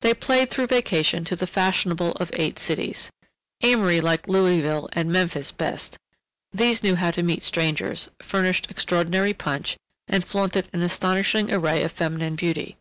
They played through vacation to the fashionable of eight cities. Amory liked Louisville and Memphis best: these knew how to meet strangers, furnished extraordinary punch, and flaunted an astonishing array of feminine beauty.